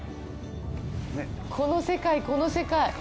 この世界、この世界。